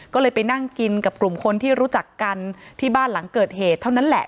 ก็เลยไปนั่งกินกับกลุ่มคนที่รู้จักกันที่บ้านหลังเกิดเหตุเท่านั้นแหละ